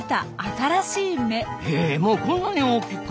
へえもうこんなに大きく？